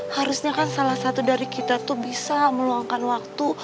harusnya kan salah satu dari kita tuh bisa meluangkan waktu